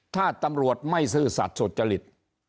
ถ้าตำรวจไม่ซื่อสัตว์สุจริต